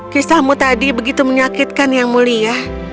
kisahmu tadi begitu menyakitkan yang mulia